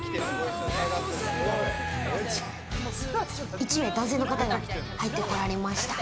１名、男性の方が入ってこられました。